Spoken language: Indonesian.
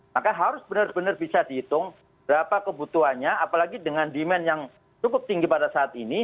maka harus benar benar bisa dihitung berapa kebutuhannya apalagi dengan demand yang cukup tinggi pada saat ini